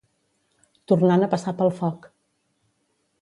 Tornant a passar pel foc.